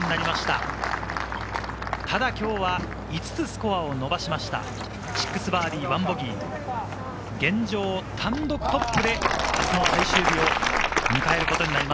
ただ今日は５つスコアを伸ばしました、６バーディー１ボギー。現状、単独トップ。